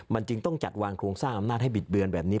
มันจึงต้องจัดวางโครงสร้างอำนาจให้บิดเบือนแบบนี้